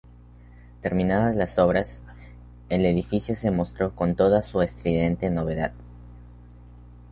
Terminadas las obras, el edificio se mostró con toda su estridente novedad.